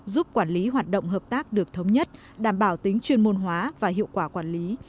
giúp quản lý hoạt động hợp tác được thống nhất đảm bảo tính chuyên môn hóa và hiệu quả quản lý